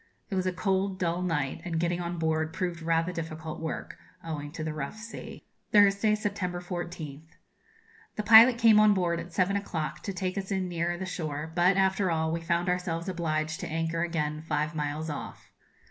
It was a cold, dull night, and getting on board proved rather difficult work, owing to the rough sea. Thursday, September 14th. The pilot came on board at seven o'clock to take us in nearer the shore, but, after all, we found ourselves obliged to anchor again five miles off.